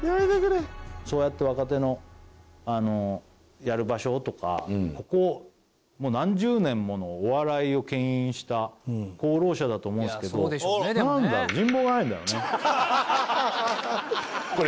そうやって若手のあのやる場所とかここ何十年ものお笑いを牽引した功労者だと思うんですけどなんだろう人望がないんだろうね。